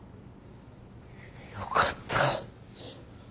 よかった。